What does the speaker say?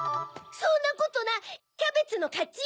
そんなことないキャベツのかち！